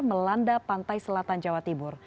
melanda pantai selatan jawa timur